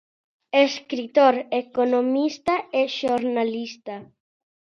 Escritor, economista e xornalista.